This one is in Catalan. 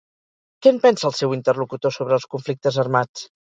Què en pensa el seu interlocutor sobre els conflictes armats?